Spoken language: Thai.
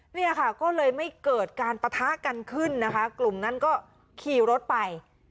เนี่ยค่ะก็เลยไม่เกิดการปะทะกันขึ้นนะคะกลุ่มนั้นก็ขี่รถไป